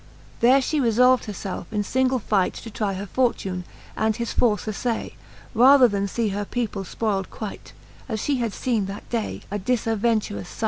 There Ihe relblvd, her ielfe in fingle fight To try her fortune_, and his force aflay. Rather then fee her people fpoiled quight, As Ihe had feene that day a difadventerous fight, XLVIII.